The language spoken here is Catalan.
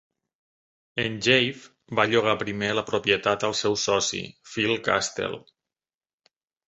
En Jaffe, va llogar primer la propietat al seu soci, Phil Kastel.